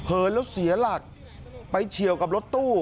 แล้วเสียหลักไปเฉียวกับรถตู้